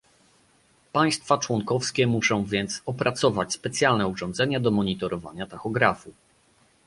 Państwa członkowskie muszą więc opracować specjalne urządzenia do monitorowania tachografu